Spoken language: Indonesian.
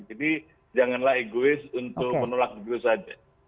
jadi janganlah egois untuk menolak begitu saja